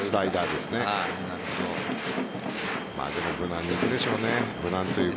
でも無難にいくでしょうね。